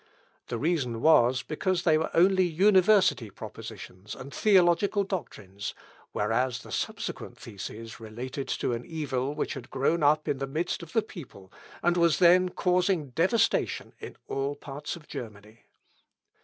The reason was, because they were only university propositions and theological doctrines, whereas the subsequent theses related to an evil which had grown up in the midst of the people, and was then causing devastation in all parts of Germany.